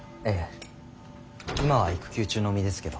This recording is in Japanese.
今は育休中の身ですけど。